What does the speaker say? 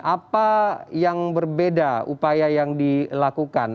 apa yang berbeda upaya yang dilakukan